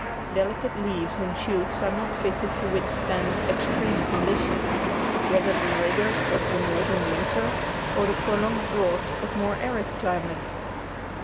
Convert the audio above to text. Delicate leaves and shoots are not fitted to withstand extreme conditions, whether the rigours of the northern winter or the prolonged drought of more arid climates.